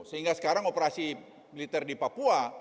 sehingga sekarang operasi militer di papua